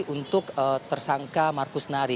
untuk tersangka markus nari